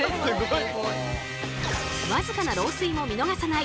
僅かな漏水も見逃さない